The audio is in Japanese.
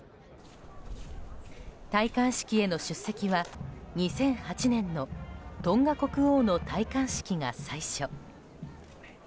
戴冠式への出席は２００８年のトンガ国王の戴冠式が最初。